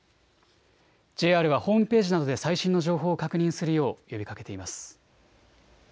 ＪＲはホームページなどで最新の情報を確認するよう呼びかけています。